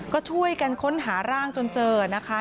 ก็ช่วยกันค้นหาร่างจนเจอนะคะ